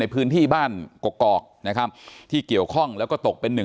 พื้นที่บ้านกกอกนะครับที่เกี่ยวข้องแล้วก็ตกเป็นหนึ่ง